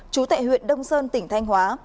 chú tại huyện đông sơn tỉnh thanh hóa